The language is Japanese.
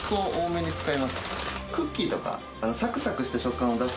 クッキーとか。